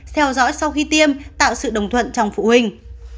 theo dõi sau khi tiêm tạo sự đồng thuận trong phụ huynh